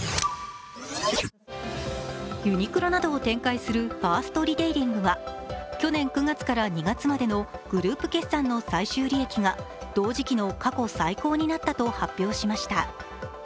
ユニクロなどを展開するファーストリテイリングは去年９月から２月までのグループ決算の最終利益が同時期の過去最高になったと発表しました。